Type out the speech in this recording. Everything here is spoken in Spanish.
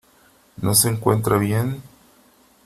¿ no se encuentra bien ?